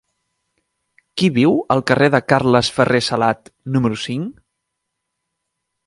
Qui viu al carrer de Carles Ferrer Salat número cinc?